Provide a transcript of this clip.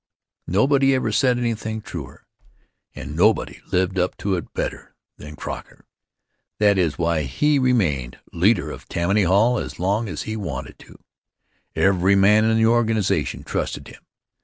Nobody ever said anything truer, and nobody lived up to it better than Croker. That is why he remained leader of Tammany Hall as long as he wanted to. Every man in the organization trusted him.